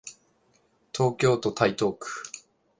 東京都台東区